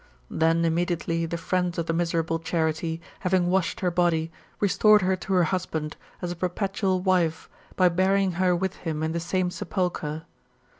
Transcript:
Then immediately the friends of the miserable Charite, having washed her body, restored her to her husband, as a perpetual wife, by burying her with him in the same sepulchre.